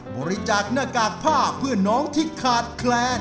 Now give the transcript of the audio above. บริจาคหน้ากากผ้าเพื่อนน้องที่ขาดแคลน